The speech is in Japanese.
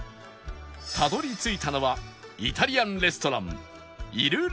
たどり着いたのはイタリアンレストラン